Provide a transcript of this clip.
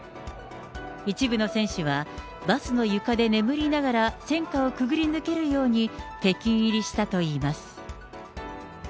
一部の選手は、バスの床で眠りながら、戦禍を潜り抜けるように北京入りしたといいます。